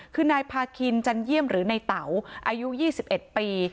คือนายพาคินจันเยี่ยมหรือในเต๋าอายุ๒๑ปี